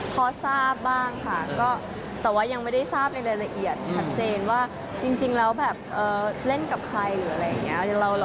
พอทราบบ้างค่ะก็แต่ว่ายังไม่ได้ทราบในรายละเอียดชัดเจนว่าจริงแล้วแบบเล่นกับใครหรืออะไรอย่างนี้